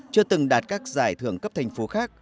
chưa từng đạt các giải thưởng cấp thành phố khác